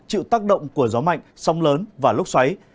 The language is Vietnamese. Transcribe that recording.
chịu tác động của gió mạnh sóng lớn và lốc xoáy